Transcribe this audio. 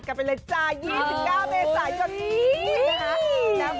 กลับไปเลยจ้ายี่สิบเก้าเมษายนนี้กันจะได้นะฮะที่แล้ว